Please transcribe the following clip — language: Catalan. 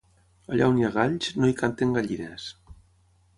Allà on hi ha galls, no hi canten gallines.